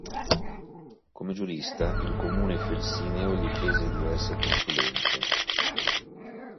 Come giurista, il Comune felsineo gli chiese diverse consulenze.